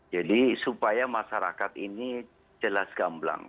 jadi supaya masyarakat ini jelas gamblang